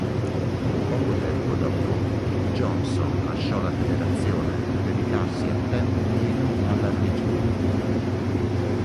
Poco tempo dopo Johnson lasciò la federazione per dedicarsi a tempo pieno alla religione.